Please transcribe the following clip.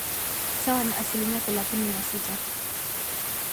sawa na asilimia thelathini na sita